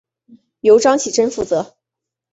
由张启珍负责。